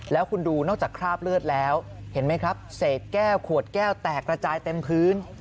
แล้วคุณดูนอกจากคราบเลือดแล้วเห็นไหมครับเศษแก้วขวดแก้วแตกระจายเต็มพื้น